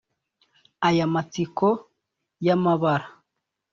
aya matsiko ya mabara,